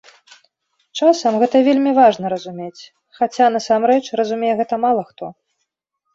Часам гэта вельмі важна разумець, хаця, насамрэч, разумее гэта мала хто.